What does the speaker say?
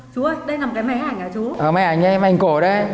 chú ơi đây là một cái máy ảnh hả chú